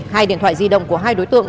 hai điện thoại di động của hai đối tượng